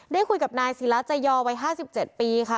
ได้คุยกับนายศิลาจยอวัย๕๗ปีค่ะ